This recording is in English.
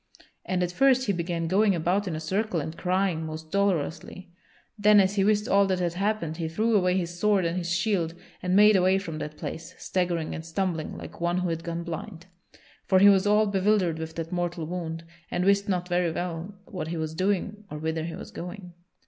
And at first he began going about in a circle and crying most dolorously. Then as he wist all that had happed he threw away his sword and his shield, and made away from that place, staggering and stumbling like one who had gone blind; for he was all bewildered with that mortal wound, and wist not very well what he was doing or whither he was going.